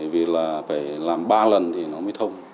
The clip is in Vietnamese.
vì là phải làm ba lần thì nó mới thông